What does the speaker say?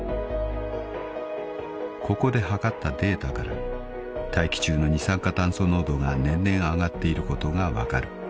［ここで測ったデータから大気中の二酸化炭素濃度が年々上がっていることが分かる］